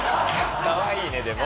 かわいいねでも。